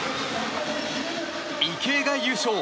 池江が優勝！